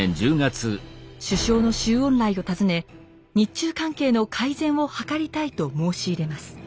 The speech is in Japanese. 首相の周恩来を訪ね日中関係の改善を図りたいと申し入れます。